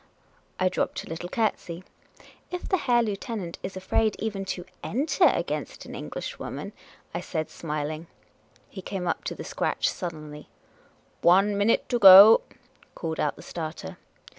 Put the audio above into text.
" I dropped a little curtsy. " If the Herr Lieutenant is afraid even to enter against an Englishwoman " I said, smiling. He came up to the scratch sullenly. " One minute to go !" called out the starter.